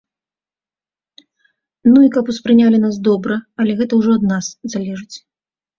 Ну, і каб успрынялі нас добра, але гэта ўжо ад нас залежыць.